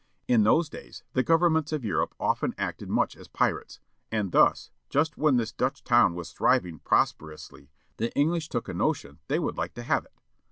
In those days the governments of Europe often acted much as pirates, as thus, just when this Dutch town was thriving prosperously, the English took a notion they would like to have it.